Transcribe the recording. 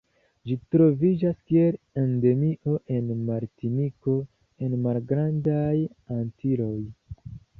Ĝi troviĝas kiel endemio en Martiniko en Malgrandaj Antiloj.